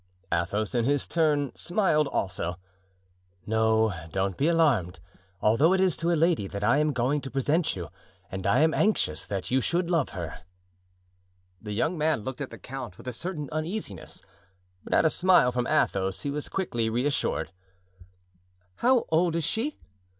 Athos, in his turn, smiled also. "No, don't be alarmed, although it is to a lady that I am going to present you, and I am anxious that you should love her——" The young man looked at the count with a certain uneasiness, but at a smile from Athos he was quickly reassured. "How old is she?"